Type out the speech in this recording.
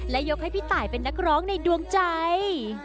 และยกให้พี่ตายเป็นนักร้องในดวงใจ